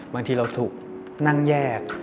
บางทีเราถูกนั่งแยก